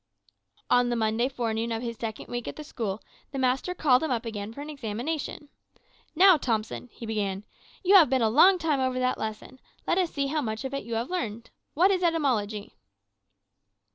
"On the Monday forenoon of his second week at the school, the master called him up again for examination. "`Now, Thompson,' he began, `you have been a long time over that lesson; let us see how much of it you have learned. What is etymology?'